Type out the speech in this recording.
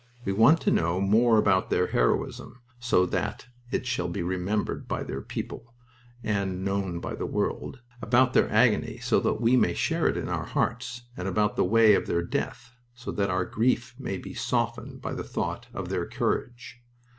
We want to know more about their heroism, so that it shall be remembered by their people and known by the world; about their agony, so that we may share it in our hearts; and about the way of their death, so that our grief may be softened by the thought of their courage.